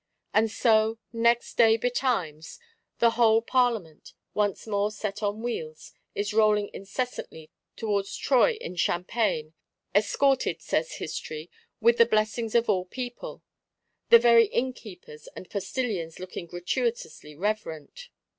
And so, next day betimes, the whole Parlement, once more set on wheels, is rolling incessantly towards Troyes in Champagne; "escorted," says History, "with the blessings of all people;" the very innkeepers and postillions looking gratuitously reverent.